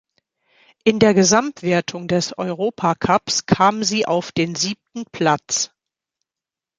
In der Gesamtwertung des Europacups kam sie auf den siebten Platz.